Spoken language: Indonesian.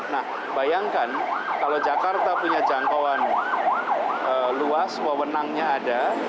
nah bayangkan kalau jakarta punya jangkauan luas wewenangnya ada